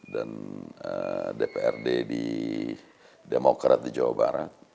dan dprd di demokrat di jawa barat